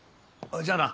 じゃあな。